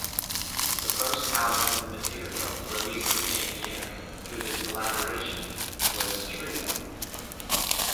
The first album of material, released the same year, through this collaboration was "Trio".